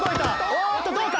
おっとどうか？